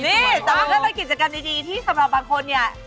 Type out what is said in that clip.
นี่อันนี้บางบุคคลกิจกรรมดีที่สำหรับบางคนเนี่ย